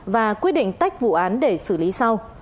và quyết định tách vụ án để xử lý sau